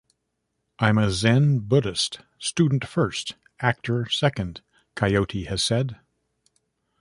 "I'm a Zen Buddhist student first, actor second", Coyote has said.